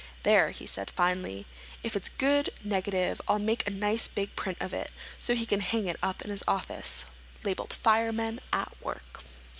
"There," he said finally. "If it's a good negative I'll make a nice big print of it, so he can hang it up in his office, labeled 'Firemen at Work.